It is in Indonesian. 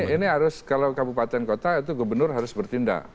ini harus kalau kabupaten kota itu gubernur harus bertindak